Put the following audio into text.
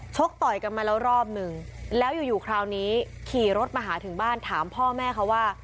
ต่อยกันมาแล้วรอบนึงแล้วอยู่คราวนี้ขี่รถมาหาถึงบ้านถามพ่อแม่เขาว่า